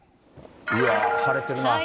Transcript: うわー、晴れてるな。